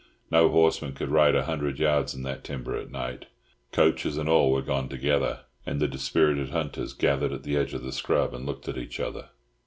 No horseman could ride a hundred yards in that timber at night. Coachers and all were gone together, and the dispirited hunters gathered at the edge of the scrub and looked at each other.